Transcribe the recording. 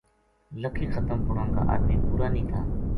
لَکھی ختم پڑھن کا ادمی پُورا نیہہ تھا